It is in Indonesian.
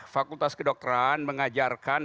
fakultas kedokteran mengajarkan